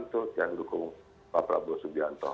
untuk yang lukung pak prabowo subianto